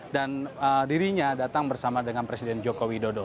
dan dirinya datang bersama dengan presiden joko widodo